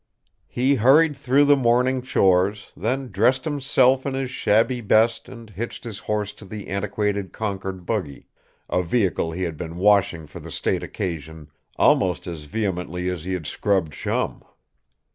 He hurried through the morning chores, then dressed himself in his shabby best and hitched his horse to the antiquated Concord buggy a vehicle he had been washing for the state occasion almost as vehemently as he had scrubbed Chum.